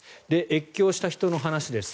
越境した人の話です。